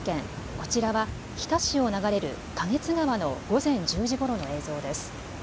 こちらは日田市を流れる花月川の午前１０時ごろの映像です。